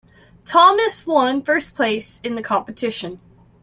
Thomas one first place in the competition.